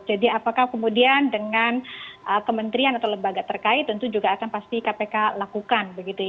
jadi apakah kemudian dengan kementerian atau lembaga terkait tentu juga akan pasti kpk lakukan